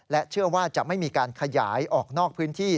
เชื่อว่าจะไม่มีการขยายออกนอกพื้นที่